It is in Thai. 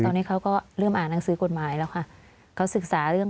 ตอนนี้เขาก็เริ่มอ่านหนังสือกฎหมายแล้วค่ะเขาศึกษาเรื่อง